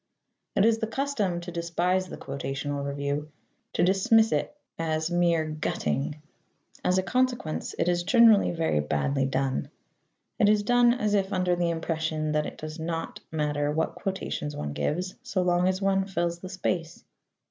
It is the custom to despise the quotational review to dismiss is as mere "gutting." As a consequence, it is generally very badly done. It is done as if under the impression that it does not matter what quotations one gives so long as one fills the space.